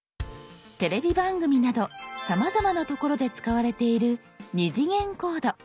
テレビ番組などさまざまな所で使われている「２次元コード」。